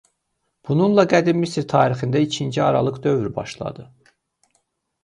Bununla Qədim Misir tarixində ikinci aralıq dövr başladı.